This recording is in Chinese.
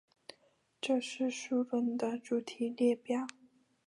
这是数论的主题列表。